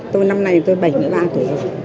tôi năm nay tôi bảy mươi ba tuổi rồi